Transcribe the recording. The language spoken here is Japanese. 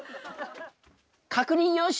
確認よし！